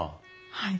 はい。